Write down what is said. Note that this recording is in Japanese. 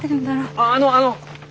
あっあのあの！